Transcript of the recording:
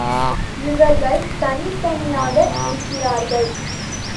இவர்கள் தனித்தனியாக இருக்கிறார்கள்.